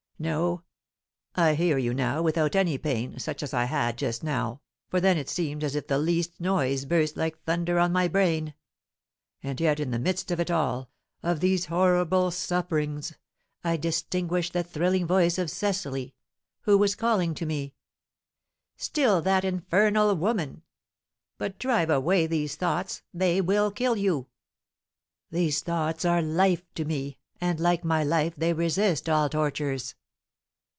"No; I hear you now without any pain such as I had just now, for then it seemed as if the least noise burst like thunder on my brain. And yet in the midst of it all, of these horrible sufferings, I distinguish the thrilling voice of Cecily, who was calling to me " "Still that infernal woman! But drive away these thoughts, they will kill you." "These thoughts are life to me, and, like my life, they resist all tortures."